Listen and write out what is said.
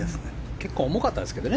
結構重かったんですけどね。